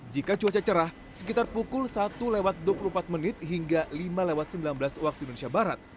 jika cuaca cerah sekitar pukul satu lewat dua puluh empat menit hingga lima lewat sembilan belas waktu indonesia barat